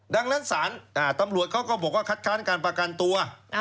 ดังนั้นศาลตำรวจเขาก็บอกว่าคัดค้านการประกันตัว